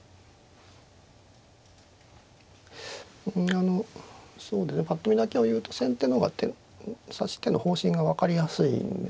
あのぱっと見だけを言うと先手の方が指し手の方針が分かりやすいんですね。